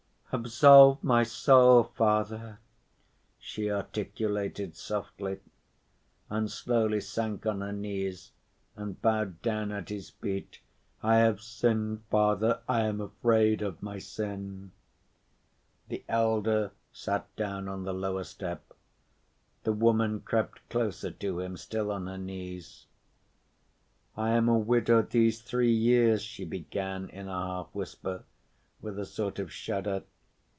"Absolve my soul, Father," she articulated softly, and slowly sank on her knees and bowed down at his feet. "I have sinned, Father. I am afraid of my sin." The elder sat down on the lower step. The woman crept closer to him, still on her knees. "I am a widow these three years," she began in a half‐whisper, with a sort of shudder.